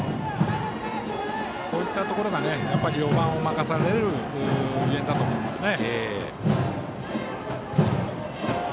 こういったところが４番を任されるゆえんだと思いますね。